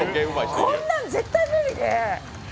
こんなん絶対無理で。